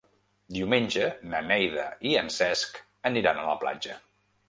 Diumenge na Neida i en Cesc aniran a la platja.